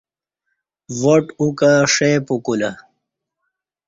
واٹ او کہ ݜے پُکولہ